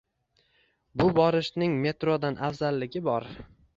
Bu borishning metrodan afzalligi bor.